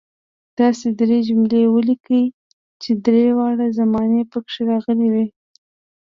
داسې درې جملې ولیکئ چې درې واړه زمانې پکې راغلي وي.